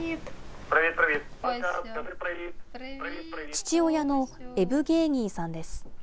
父親のエブゲーニーさんです。